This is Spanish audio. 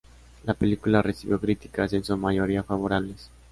La película recibió críticas en su mayoría favorables.